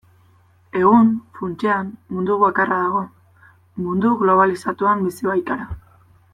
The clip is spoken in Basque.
Egun, funtsean, mundu bakarra dago, mundu globalizatuan bizi baikara.